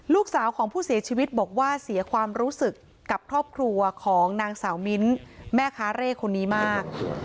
ลูกสาวของผู้เสียชีวิตบอกว่าเสียความรู้สึกกับครอบครัวของนางสาวมิ้นแม่ค้าเร่คนนี้มาก